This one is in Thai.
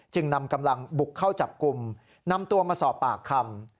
นำกำลังบุกเข้าจับกลุ่มนำตัวมาสอบปากคำ